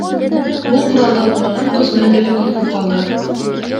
Бул куралданбаган көз менен деле көрүнүп калды.